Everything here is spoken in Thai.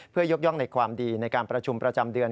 เพื่อยกย่องในความดีในการประชุมประจำเดือน